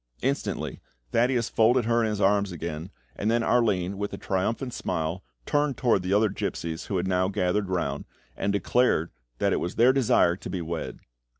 Instantly Thaddeus folded her in his arms again, and then Arline, with a triumphant smile, turned towards the other gipsies who had now gathered round, and declared that it was their desire to be wed.